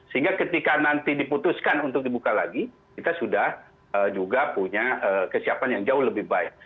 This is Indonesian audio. sehingga ketika nanti diputuskan untuk dibuka lagi kita sudah juga punya kesiapan yang jauh lebih baik